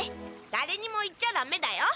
だれにも言っちゃダメだよ。